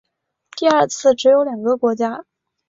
第二次只有两个国家。